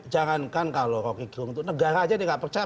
jangankan kalau rocky gerung itu negara aja dia nggak percaya